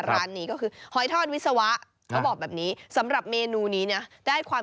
ร้านนี้ก็คือหอยทอดวิศวะ